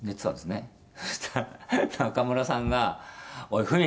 「そしたら中村さんが“おいふみ！